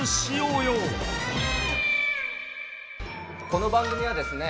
この番組はですね